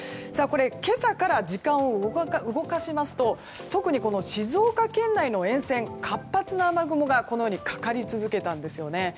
今朝から時間を動かしますと特に静岡県内の沿線活発な雨雲がこのようにかかり続けたんですね。